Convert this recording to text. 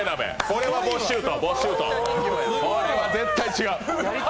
これは絶対違う。